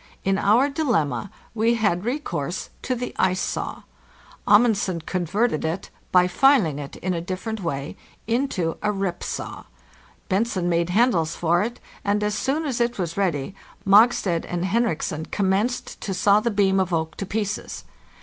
In our dilemma we had recourse to the ice saw. Amund sen converted it (by filing it in a different way) into a rip saw ; Bentzen made handles for it; and as soon as it was ready, Mog stad and Henriksen commenced to saw the beam of oak to pieces.